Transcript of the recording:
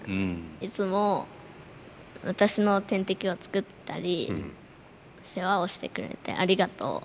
いつも私の点滴を作ったり世話をしてくれてありがとう。